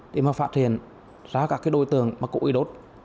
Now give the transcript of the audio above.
để phát hiện ra các đối tượng cụ y đốt